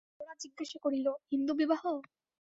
গোরা জিজ্ঞাসা করিল, হিন্দুবিবাহ?